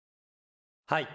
はい。